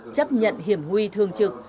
chấp nhận hiểm huy thương trực